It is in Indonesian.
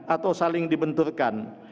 atau saling dibenturkan